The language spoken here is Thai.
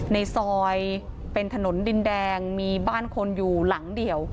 ในซอยเป็นถนนดินแดงมีบ้านคนอยู่หลังเดียว